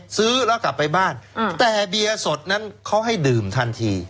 ซื้อแล้วกลับไปบ้านแต่เบียร์สดนั้นเขาให้ดื่มทันที